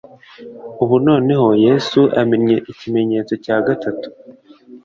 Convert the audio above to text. Ubu noneho yesu amennye ikimenyetso cya gatatu